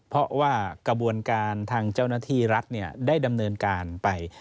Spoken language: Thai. เพราะว่ากระบวนการทางเจ้าหน้าที่รัฐได้ดำเนินการไป